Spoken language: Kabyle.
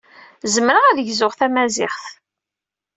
Zemreɣ ad gzuɣ tamaziɣt.